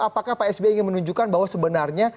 apakah pak sby ingin menunjukkan bahwa sebenarnya